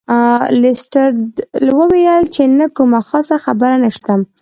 لیسټرډ وویل چې نه کومه خاصه خبره نشته.